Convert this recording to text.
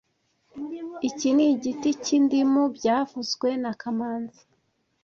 Iki ni igiti cy'indimu byavuzwe na kamanzi (